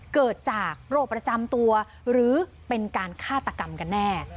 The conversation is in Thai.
เกิดจากโรคประจำตัวหรือเป็นการฆาตกรรมกันแน่